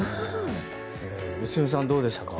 良純さん、どうでしたか。